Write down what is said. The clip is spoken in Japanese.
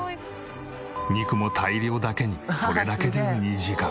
肉も大量だけにそれだけで２時間。